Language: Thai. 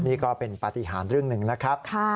นี่ก็เป็นปฏิหารเรื่องหนึ่งนะครับ